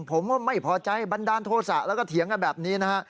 ผมว่าไม่พอใจบันดาลโทษะแล้วก็เถียงกันแบบนี้นะฮะ